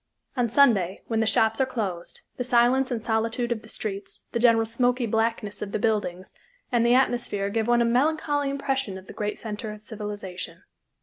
On Sunday, when the shops are closed, the silence and solitude of the streets, the general smoky blackness of the buildings and the atmosphere give one a melancholy impression of the great center of civilization.